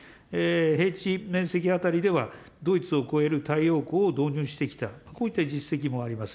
平地面積当たりでは、ドイツを超える太陽光を導入してきた、こういった実績もあります。